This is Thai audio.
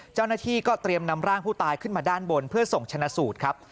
เจ้าหน้าที่ก็เตรียมนำร่างผู้ตายขึ้นมาด้านบนเพื่อส่งชนะสูตรครับ